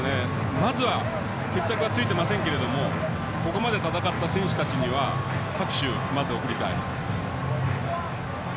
まずは決着はついていませんけどここまで戦った選手たちにはまず拍手を送りたい。